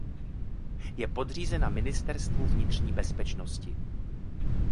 Je podřízena Ministerstvu vnitřní bezpečnosti.